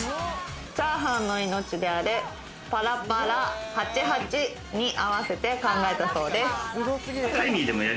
チャーハンの命であるパラパラ、８、８に合わせて考えたそうです。